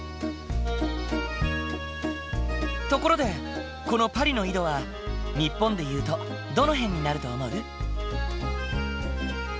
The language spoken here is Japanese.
ところでこのパリの緯度は日本でいうとどの辺になると思う？